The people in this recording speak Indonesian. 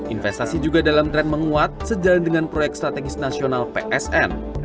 investasi juga dalam tren menguat sejalan dengan proyek strategis nasional psn